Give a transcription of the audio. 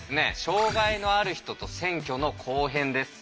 障害のある人と選挙の後編です。